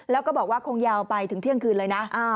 แล้วก็บอกว่าคงยาวไปถึงเที่ยงคืนเลยนะ